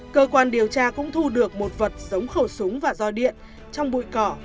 cơ quan điều tra cũng thu được một vật giống khẩu súng và roi điện trong bụi cỏ